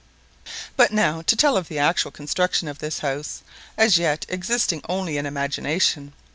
But now to tell of the actual construction of this house, as yet existing only in imagination.